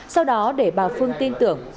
sau đó để bà phương tin tưởng